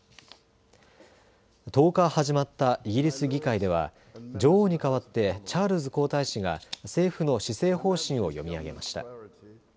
１０日、始まったイギリス議会では女王に代わってチャールズ皇太子が政府の施政方針を読み上げました。